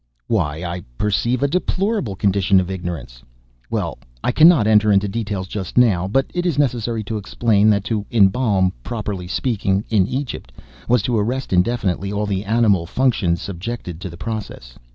"Ah, I perceive—a deplorable condition of ignorance! Well I cannot enter into details just now: but it is necessary to explain that to embalm (properly speaking), in Egypt, was to arrest indefinitely all the animal functions subjected to the process.